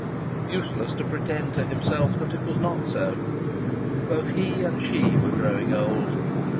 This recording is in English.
Useless to pretend to himself that it was not so. Both he and she were growing old.